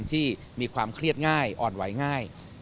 ที่มีความเครียดง่ายอ่อนไหวง่าย